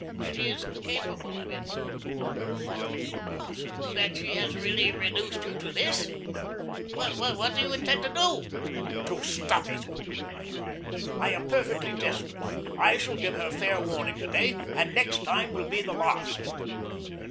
"She is capable of it. But is it possible that she has really reduced you to this? What do you intend to do?" "To stop it!" I cried. "I am perfectly desperate; I shall give her fair warning to day, and the next time will be the last."